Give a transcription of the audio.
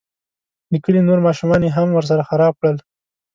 د کلي نور ماشومان یې هم ورسره خراب کړل.